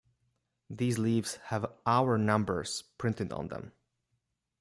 These leaves have hour numbers printed on them.